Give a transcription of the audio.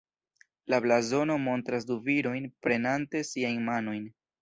La blazono montras du virojn prenante siajn manojn.